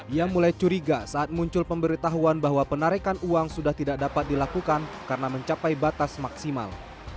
ia mulai curiga saat muncul pemberitahuan bahwa penarikan uang sudah tidak dapat dilakukan karena mencapai batas maksimal